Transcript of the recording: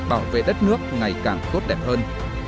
bảo vệ đất nước ngày càng tốt đẹp hơn